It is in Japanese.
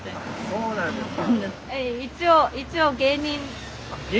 そうなんですか？